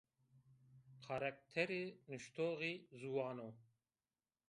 Karakterê nuştoxî ziwan o